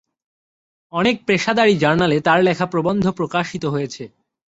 অনেক পেশাদারি জার্নালে তাঁর লেখা প্রবন্ধ প্রকাশিত হয়েছে।